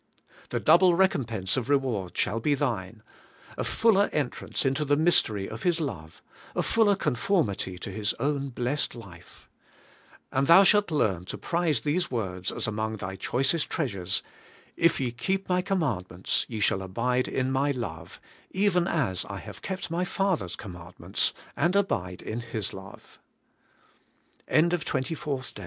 The double recompense of reward shall be thine, — a fuller entrance into the mystery of His love, — a fuller conformity to His own blessed life. And thou shalt learn to prize these words as among thy choicest treasures: 'If ye keep my commandments, ye shall abide in my love, even AS I have kept my Father's comm